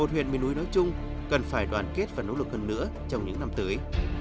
một huyện miền núi nói chung cần phải đoàn kết và nỗ lực hơn nữa trong những năm tới